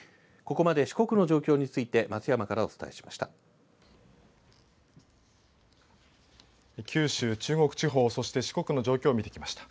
ここまで四国の状況について松山からお伝えしました。